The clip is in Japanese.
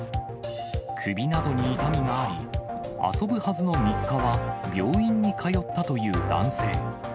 首などに痛みがあり、遊ぶはずの３日は病院に通ったという男性。